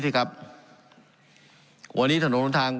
การปรับปรุงทางพื้นฐานสนามบิน